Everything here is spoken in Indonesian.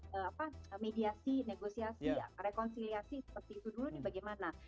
apakah harus langsung di stop atau kita mediasi negosiasi rekonsiliasi seperti itu dulu bagaimana